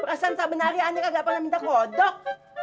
perasaan tak benar ya anik agak pernah minta kodok